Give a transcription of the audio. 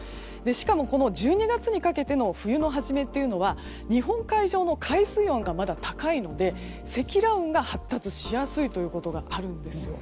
しかも１２月にかけての冬の初めは日本海上の海水温がまだ高いので積乱雲が発達しやすいということがあるんですよ。